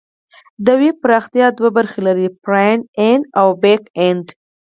د ویب پراختیا دوه برخې لري: فرنټ اینډ او بیک اینډ.